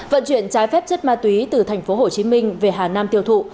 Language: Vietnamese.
vận chuyển trái phép chất ma túy từ tp hồ chí minh về hà nam tiêu thụ